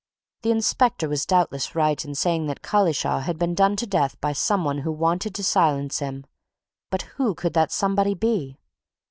The inspector was doubtless right in saying that Collishaw had been done to death by somebody who wanted to silence him but who could that somebody be?